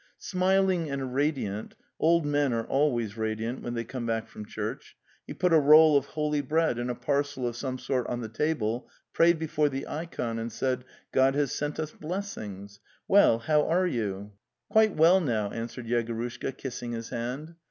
Smil ing and radiant (old men are always radiant when they come back from church), he put a roll of holy bread and a parcel of some sort on the table, prayed before the ikon, and said: '"God has sent us blessings — well, how are your" 202 The Tales of Chekhov "Quite well now," answered Yegorushka, kissing his hand.